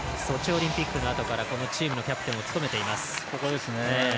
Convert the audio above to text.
ソチオリンピックのあとからこのチームのキャプテンを務めています。